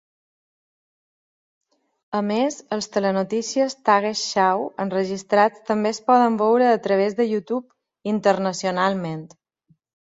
A més, els telenotícies "Tagesschau" enregistrats també es poden veure a través de YouTube internacionalment.